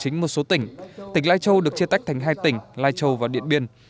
trong thời gian dưới hành chính một số tỉnh tỉnh lai châu được chia tách thành hai tỉnh lai châu và điện biên